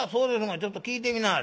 ちょっと聞いてみなはれ」。